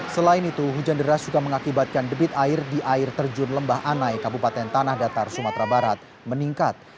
selain itu hujan deras juga mengakibatkan debit air di air terjun lembah anai kabupaten tanah datar sumatera barat meningkat